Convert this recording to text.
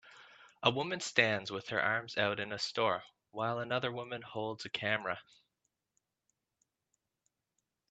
A woman stands with her arms out in a store while another woman holds a camera.